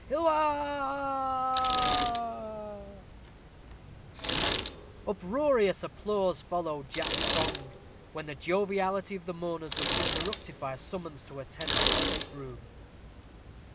Hilloah! Uproarious applause followed Jack's song, when the joviality of the mourners was interrupted by a summons to attend in the state room.